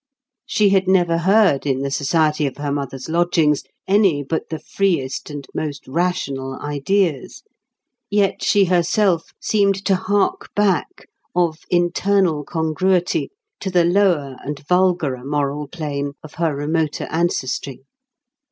She had never heard in the society of her mother's lodgings any but the freest and most rational ideas; yet she herself seemed to hark back, of internal congruity, to the lower and vulgarer moral plane of her remoter ancestry.